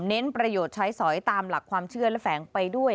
ประโยชน์ใช้สอยตามหลักความเชื่อและแฝงไปด้วย